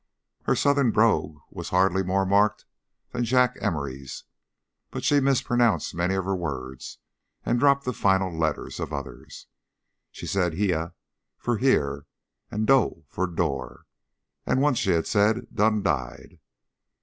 Her Southern brogue was hardly more marked than Jack Emory's, but she mispronounced many of her words and dropped the final letters of others: she said "hyah" for "here" and "do'" for "door," and once she had said "done died."